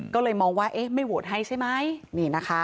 ก็เลยมองว่าอ่าวไม่โหวตให้ใช่ไหม